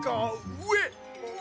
うえ！